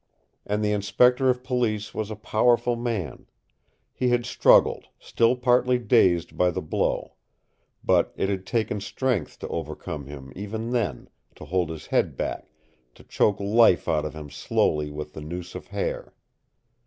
And the Inspector of Police was a powerful man. He had struggled, still partly dazed by the blow. But it had taken strength to overcome him even then, to hold his head back, to choke life out of him slowly with the noose of hair.